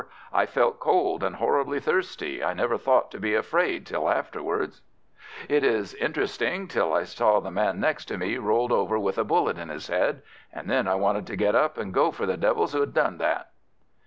"I felt cold, and horribly thirsty I never thought to be afraid till afterwards." "It was interesting, till I saw the man next to me rolled over with a bullet in his head, and then I wanted to get up and go for the devils who had done that."